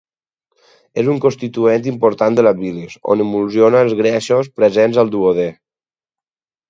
És un constituent important de la bilis, on emulsiona els greixos presents al duodè.